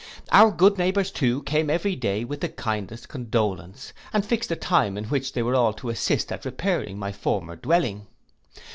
Our good neighbours too came every day with the kindest condolence, and fixed a time in which they were all to assist at repairing my former dwelling.